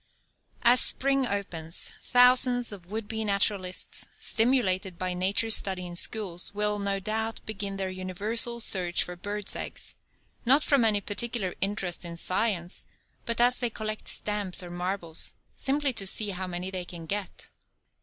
As spring opens, thousands of would be naturalists, stimulated by nature study in schools, will, no doubt, begin their universal search for birds' eggs, not from any particular interest in science, but as they collect stamps or marbles, simply to see how many they can get.